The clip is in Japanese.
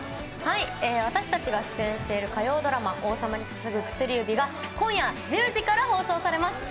私たちが出演している火曜ドラマ「王様に捧ぐ薬指」が今夜１０時から放送されます。